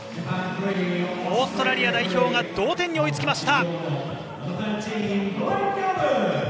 オーストラリア代表が同点に追いつきました。